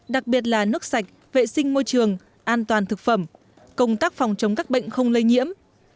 đặc biệt là nước sạch vệ sinh môi trường an toàn thực phẩm công tác phòng chống các bệnh không lây nhiễm